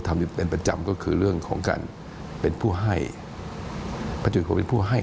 ทำเป็นเป็นประจำก็คือเรื่องของการเป็นผู้ให้